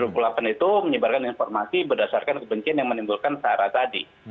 dua puluh delapan itu menyebarkan informasi berdasarkan kebencian yang menimbulkan sara tadi